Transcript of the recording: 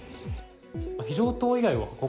非常灯以外は？